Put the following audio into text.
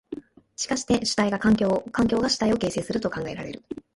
しかして主体が環境を、環境が主体を形成すると考えられる。